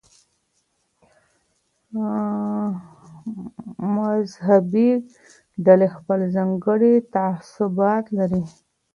مذهبي ډلې خپل ځانګړي تعصبات لري.